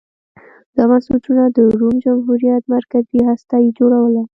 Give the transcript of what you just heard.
دا بنسټونه د روم جمهوریت مرکزي هسته یې جوړوله